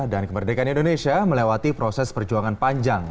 dan kemerdekaan indonesia melewati proses perjuangan panjang